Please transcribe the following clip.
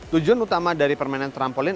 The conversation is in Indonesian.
tujuan utama dari permainan trampolin